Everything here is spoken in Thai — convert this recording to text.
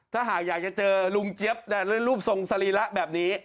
ถ้าหากอยากจะเจอรุ่งเจ๊ปนั่นลูกทรงสรีละแบบนี้